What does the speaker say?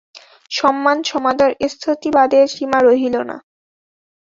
সম্মান সমাদর স্তুতিবাদের সীমা রহিল না।